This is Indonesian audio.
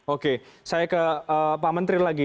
oke saya ke pak menteri lagi